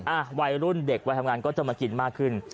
อ่ะวัยรุ่นเด็กวัยทำงานก็จะมากินมากขึ้น